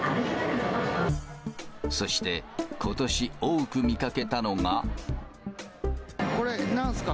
そして、ことし多く見かけたこれ、なんですか？